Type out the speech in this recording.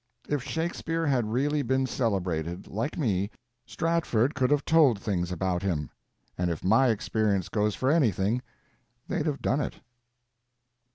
If Shakespeare had really been celebrated, like me, Stratford could have told things about him; and if my experience goes for anything, they'd have done it.